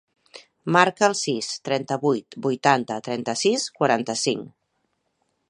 Marca el sis, trenta-vuit, vuitanta, trenta-sis, quaranta-cinc.